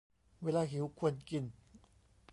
เวลาหิว ควรกิน